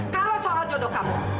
kalau soal jodoh kamu